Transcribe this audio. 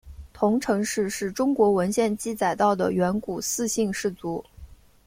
彤城氏是中国文献记载到的远古姒姓氏族。